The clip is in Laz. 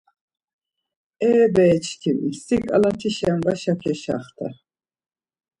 E bereçkimi, si ǩalatişen vaşa keşaxta.